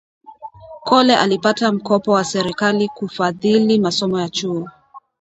Kole alipata mkopo wa serikali kufadhili masomo ya chuo